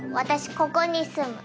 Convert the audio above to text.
ここに住む。